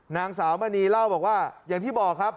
นางสาวมณีเล่าบอกว่าอย่างที่บอกครับ